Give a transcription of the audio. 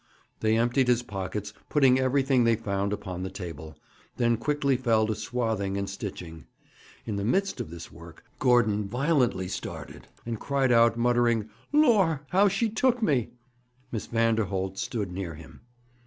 They emptied his pockets, putting everything they found upon the table, then quickly fell to swathing and stitching. In the midst of this work Gordon violently started, and cried out, muttering, 'Lor', how she took me!' Miss Vanderholt stood near him.